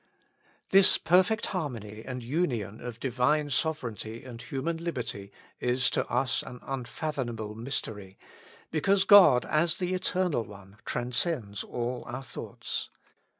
This perfect harmony and union of Divine Sover eignty and human liberty is to us an unfathomable mystery, because God as the Eternal One tran scends all our thoughts.